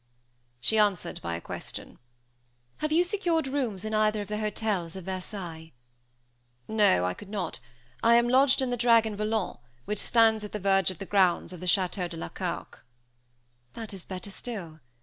She answered by a question. "Have you secured rooms in either of the hotels of Versailles?" "No, I could not. I am lodged in the Dragon Volant, which stands at the verge of the grounds of the Château de la Carque." "That is better still.